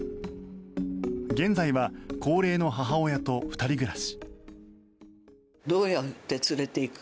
現在は高齢の母親と２人暮らし。